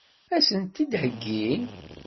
Ad sent-t-id-theggi?